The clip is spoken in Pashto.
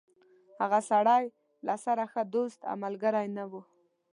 هغه سړی له سره ښه دوست او ملګری نه و.